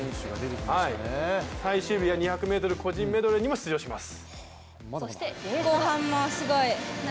最終日は２００ｍ個人メドレーにも出場します。